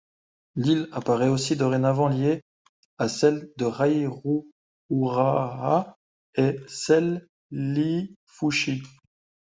L'île apparaît aussi dorénavant liée à celles de Raiyruhhuraa et Selhlhifushi.